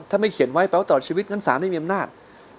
ถ้าไม่เขียนไว้แปลว่าต่อชีวิตนั้นสารไม่มีอำนาจ